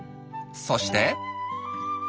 そして。